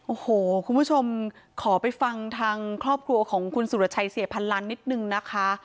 โอ้โหคุณผู้ชมขอไปฟังทางครอบครัวของคุณสุรชัยเสียพันลันนิดนึงนะคะ